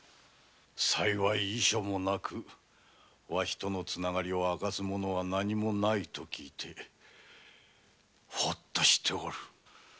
幸い遺書もなくわしとのつながりを表すものは何も無いと聞いてホッとしておる。